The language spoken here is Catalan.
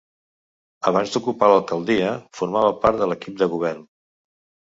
Abans d'ocupar l'alcaldia, formava part de l'equip de govern.